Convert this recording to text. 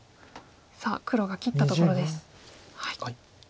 さあ黒が切ったところです。